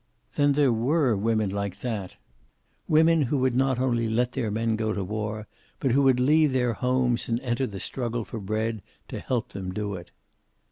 Then there were women like that! Women who would not only let their men go to war, but who would leave their homes and enter the struggle for bread, to help them do it.